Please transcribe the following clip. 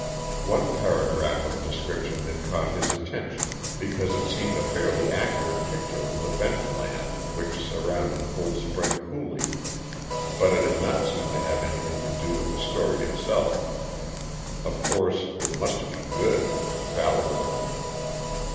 One paragraph of description had caught his attention, because it seemed a fairly accurate picture of the bench land which surrounded Cold Spring Coulee; but it had not seemed to have anything to do with the story itself. Of course, it must be good Val wrote it.